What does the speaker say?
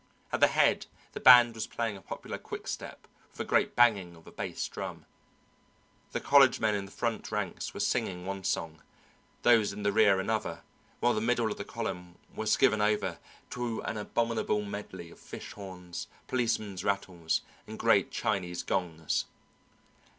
At the head the band was playing a popular quick step with a great banging of a bass drum. The college men in the front ranks were singing one song, those in the rear another, while the middle of the column was given over to an abominable medley of fish horns, policemen's rattles and great Chinese gongs.